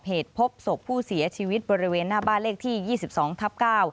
พบศพผู้เสียชีวิตบริเวณหน้าบ้านเลขที่ยี่สิบสองทับเก้า